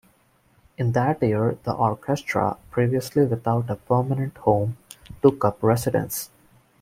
In that year the orchestra, previously without a permanent home, took up residence.